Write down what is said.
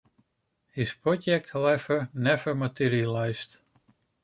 His project, however, never materialized.